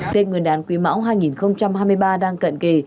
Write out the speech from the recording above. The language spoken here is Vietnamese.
tên người đàn quý mão hai nghìn hai mươi ba đang cận kề